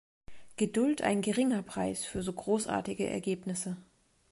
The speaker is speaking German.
Geduld ein geringer Preis für so großartige Ergebnisse!